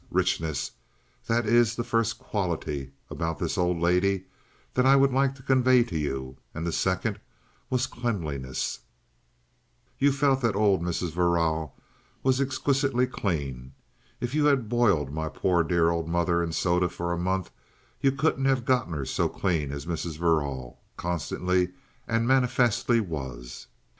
Richness, that is the first quality about this old lady that I would like to convey to you, and the second was cleanliness. You felt that old Mrs. Verrall was exquisitely clean. If you had boiled my poor dear old mother in soda for a month you couldn't have got her so clean as Mrs. Verrall constantly and manifestly was.